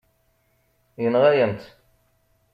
Yenɣa-yam-tt.